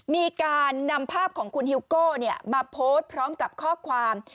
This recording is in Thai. มีการนำภาพของคุณฮิวโก้มาโพสต์พร้อมกับข้อความ